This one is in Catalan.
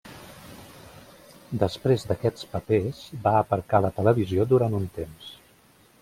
Després d'aquests papers, va aparcar la televisió durant un temps.